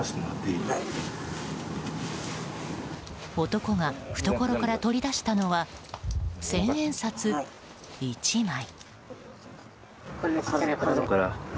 男が懐から取り出したのは千円札１枚。